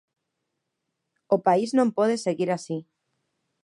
O país non pode seguir así.